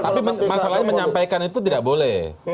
tapi masalahnya menyampaikan itu tidak boleh